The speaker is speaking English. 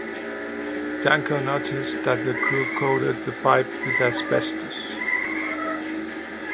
Danko noticed that the crew coated the pipe with asbestos.